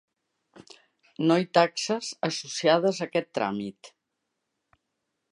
No hi taxes associades a aquest tràmit.